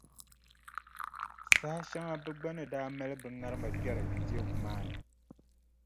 Saha shɛŋa bɛ gba ni daa mali bɛ ŋarima kpɛri teeku maa ni.